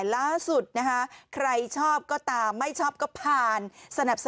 เร็วได้กว่านี้ไหมฮะ